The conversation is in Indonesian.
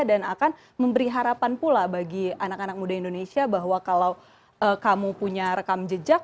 dan akan memberi harapan pula bagi anak anak muda indonesia bahwa kalau kamu punya rekam jejak